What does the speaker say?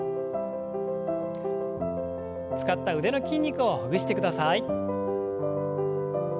使った腕の筋肉をほぐしてください。